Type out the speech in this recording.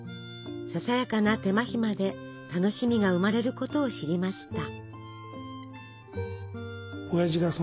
ささやかな手間暇で楽しみが生まれることを知りました。